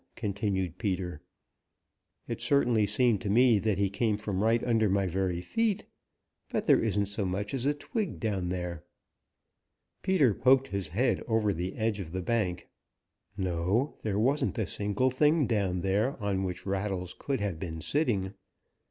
continued Peter. "It certainly seemed to me that he came from right under my very feet, but there isn't so much as a twig down there." Peter poked his head over the edge of the bank. No, there wasn't a single thing down there on which Rattles could have been sitting.